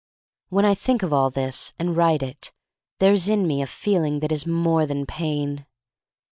When I think of all this and write it there is in me a feeling that is more than pain.